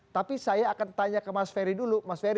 tapi saya akan tanya ke mas ferry dulu mas ferry